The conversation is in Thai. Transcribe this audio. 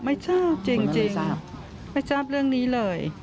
ไม่ทราบจริงไม่ทราบเรื่องนี้เลย